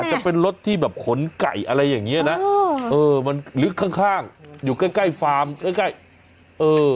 มันจะเป็นรถที่แบบขนไก่อะไรอย่างนี้นะเออมันลึกข้างอยู่ใกล้ฟาร์มใกล้เออ